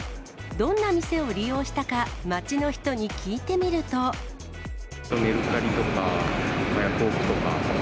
どんな店を利用したか、メルカリとかヤフオクとか。